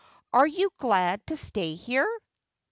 ' Are you glad to stay here